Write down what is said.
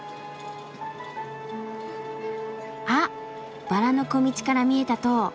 あっバラの小道から見えた塔！